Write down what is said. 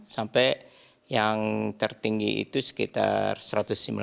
sampai yang tertinggi itu sekitar